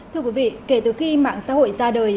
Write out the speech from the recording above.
thưa quý vị kể từ khi mạng xã hội ra đời